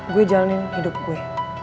gua jalanin hidup gua